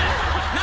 何！？